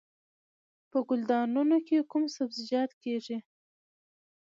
په ګلدانونو کې کوم سبزیجات کیږي؟